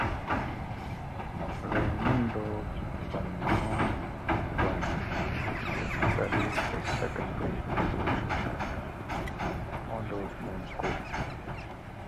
Raymundo Punongbayan studied his secondary education at Tondo's known school.